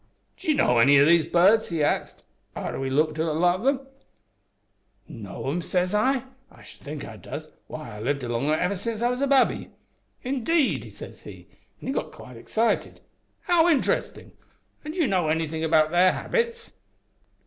"`D'ye know any of these birds?' he axed, arter we'd looked at a lot of 'em. "`Know 'em?' says I; `I should think I does! Why, I've lived among 'em ever since I was a babby!' "`Indeed!' says he, an' he got quite excited, `how interestin'! An' do you know anythin' about their habits?'